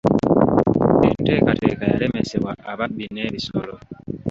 Enteekateeka yalemesebwa ababbi n'ebisolo.